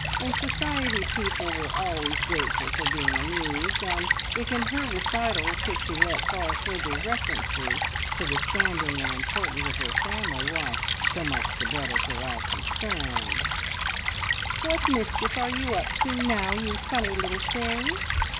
In society people were always grateful for being amused, and if in her recital Pixie let fall further references to the standing and importance of her family, why, so much the better for all concerned. "What mischief are you up to now, you funny little thing?"